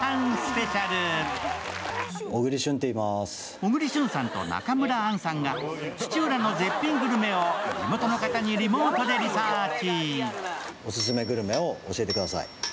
小栗旬さんと中村アンさんが土浦の絶品グルメを地元の方にリモートでリサーチ。